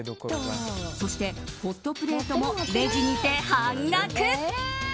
そして、ホットプレートもレジにて半額。